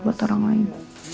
buat orang lain